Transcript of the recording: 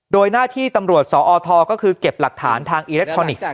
โดยหน้าที่ตำรวจสอทก็คือเก็บหลักฐานทางอิเล็กทรอนิกส์